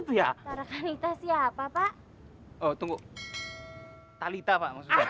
itu ya tarakanita siapa pak oh tunggu talita pak maksudnya